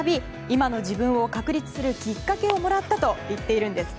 今の自分を確立するきっかけをもらったと言っているんです。